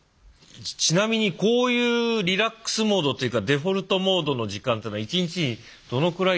ちなみにこういうリラックスモードというかデフォルト・モードの時間っていうのは１日にどのくらい必要なんですか？